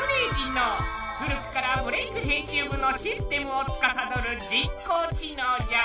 古くから「ブレイクッ！編集部」のシステムをつかさどる人工知能じゃ！